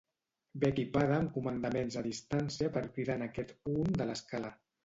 Ve equipada amb comandaments a distància per cridar en aquest punt de l'escala.